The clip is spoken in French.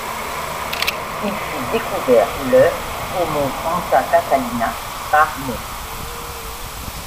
Il fut découvert le aux monts Santa Catalina par Mt.